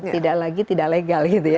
tidak lagi tidak legal gitu ya